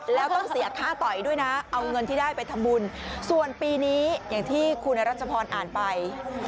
แล้วต้องเสียค่าต่อยด้วยนะเอาเงินที่ได้ไปทำบุญส่วนปีนี้อย่างที่คุณรัชพรอ่านไป